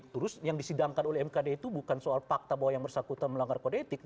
terus yang disidangkan oleh mkd itu bukan soal fakta bahwa yang bersangkutan melanggar kode etik